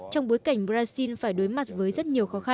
trong bối cảnh brazil phải đối mặt với rất nhiều khó khăn